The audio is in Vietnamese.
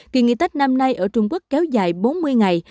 kỳ nghỉ tết năm nay ở trung quốc kéo dài bốn mươi ngày